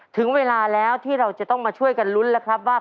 ถึงเวลาแล้วที่เราจะต้องมาช่วยกันลุ้นแล้วครับว่า